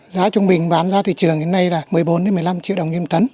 giá trung bình bán ra thị trường hiện nay là một mươi bốn một mươi năm triệu đồng trên một tấn